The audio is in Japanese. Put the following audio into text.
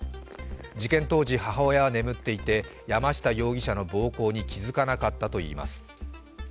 事件当時、母親は眠っていて山下容疑者の暴行に気付かなかったといいます。